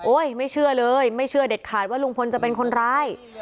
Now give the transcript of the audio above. ไม่เชื่อเลยไม่เชื่อเด็ดขาดว่าลุงพลจะเป็นคนร้าย